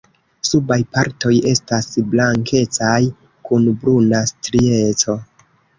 Subaj partoj estas blankecaj kun bruna strieco.